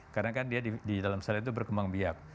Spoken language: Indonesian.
karena kan dia di dalam sel itu berkembang biak